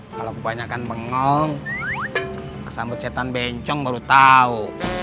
kalau kebanyakan bengong kesambut setan bencong baru tahu